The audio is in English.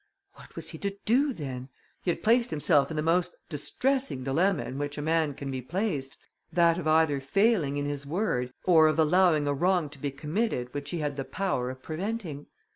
What was he to do then? He had placed himself in the most distressing dilemma in which a man can be placed, that of either failing in his word, or of allowing a wrong to be committed, which he had the power of preventing.